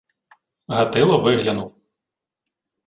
Гатило виглянув: